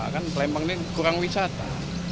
kan lempang ini kurang wisata